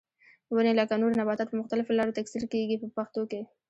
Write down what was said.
ونې لکه نور نباتات په مختلفو لارو تکثیر کېږي په پښتو کې.